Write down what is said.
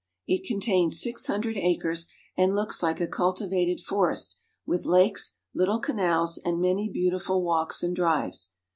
It contains six hundred acres, and looks like a cultivated forest with lakes, little canals, and many beauti ful walks and drives.